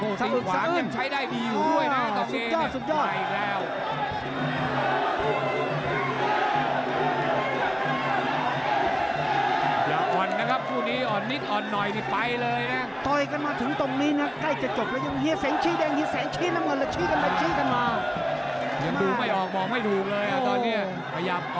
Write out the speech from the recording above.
น่ะสารพัดอาวุธยังมันกำเดินตลอดนะไอ้เจ้าช้างเผือก